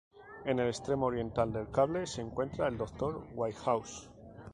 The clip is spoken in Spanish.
En el extremo oriental del cable se encontraba el doctor Whitehouse.